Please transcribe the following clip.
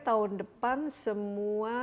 tahun depan semua